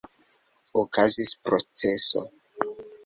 Okazis proceso.